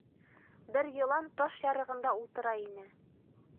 Бер йылан таш ярығында ултыра ине.